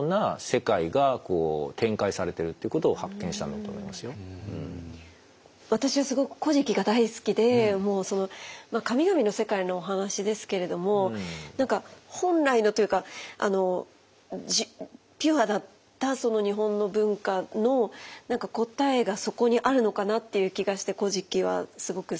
だから「古事記」の中にも私はすごく「古事記」が大好きで神々の世界のお話ですけれども何か本来のというかピュアだったその日本の文化の答えがそこにあるのかなっていう気がして「古事記」はすごく好きなんですけれども。